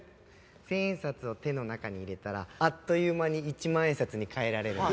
１０００円札を手の中に入れたらあっという間に１万円札に変えられるんだ。